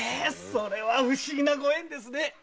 それは不思議なご縁ですね！